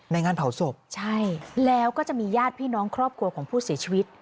งานเผาศพใช่แล้วก็จะมีญาติพี่น้องครอบครัวของผู้เสียชีวิต